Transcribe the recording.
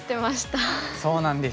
そうなんです。